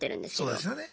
そうですよね。